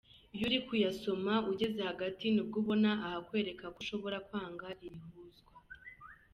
Iyo uri kuyasoma , ugeze hagati nibwo ubona ahakwereka ko ushobora kwanga iri huzwa.